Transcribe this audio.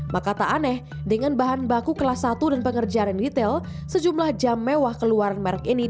maka tak aneh dengan bahan baku kelas satu dan pengerjaan retail sejumlah jam mewah keluaran merek ini